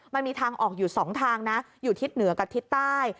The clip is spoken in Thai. มันมีทางออกอยู่๒ทางนะอยู่ทิศเหนือกับทิศใต้